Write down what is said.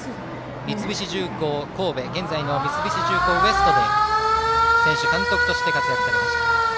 三菱重工神戸現在の三菱重工Ｗｅｓｔで選手、監督として活躍されました。